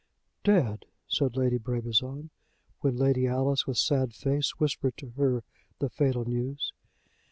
"Dead!" said Lady Brabazon, when Lady Alice, with sad face, whispered to her the fatal news.